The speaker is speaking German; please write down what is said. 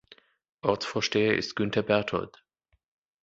Ortsvorsteher ist Günther Berthold.